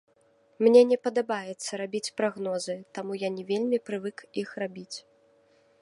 Мне не падабаецца рабіць прагнозы, таму я не вельмі прывык іх рабіць.